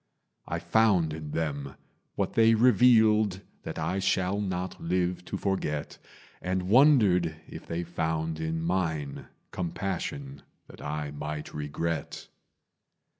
I found in them what they revealed That I shall not live to forget, And wondered if they found in mine Compassion that I might regret.